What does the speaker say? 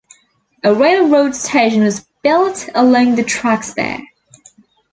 A railroad station was built along the tracks there.